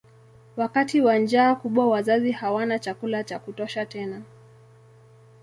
Wakati wa njaa kubwa wazazi hawana chakula cha kutosha tena.